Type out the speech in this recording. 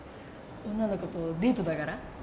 女の子とデートだから？